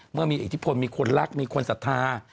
เมื่อมีอิทธิพลมีคนรักมีคนศรัทธา